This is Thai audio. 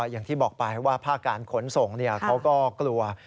อย่างที่บอกไปว่าภาคการขนส่งเขาก็กลัว